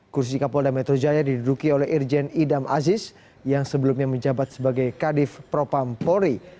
kursi kapolda metro jaya diduduki oleh irjen idam aziz yang sebelumnya menjabat sebagai kadif propam polri